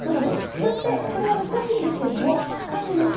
そして、これが難しいんですが「高値之玉」。